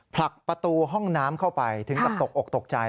ผลักประตูห้องน้ำเข้าไปถึงกับตกอกตกใจ